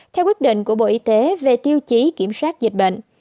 theo quyết định của bộ y tế về tiêu chí kiểm soát dịch bệnh